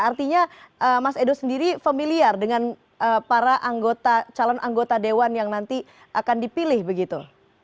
artinya mas edo sendiri familiar dengan para calon anggota dewan yang nanti akan dipilih begitu